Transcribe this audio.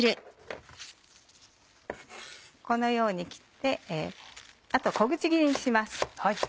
このように切ってあと小口切りにします。